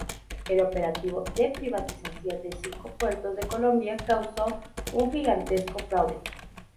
El operativo de privatización de cinco puertos de Colombia causó un gigantesco fraude.